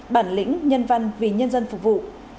bản lĩnh nhân văn vì nhân dân phục vụ